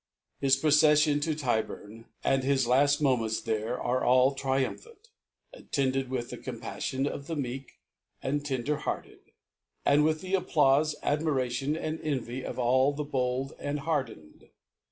His Proceflion to Tyhum^ and his lad Moments there, are all triumphant ; attended with the Compaffion of the meek and Uid tender hearted , and with the Applauie» Admiration, and Envy of all the bold and hardened.